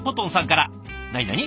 なになに？